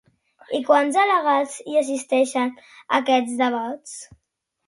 I quants delegats hi assisteixen a aquests debats?